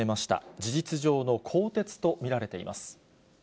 事実上の更迭と見られています。